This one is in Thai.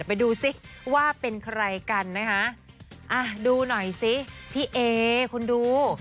ไปดูซิว่าเป็นใครกันนะคะอ่ะดูหน่อยสิพี่เอคุณดู